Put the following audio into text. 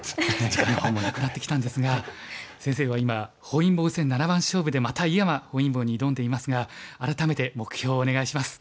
時間の方もなくなってきたんですが先生は今本因坊戦七番勝負でまた井山本因坊に挑んでいますが改めて目標をお願いします。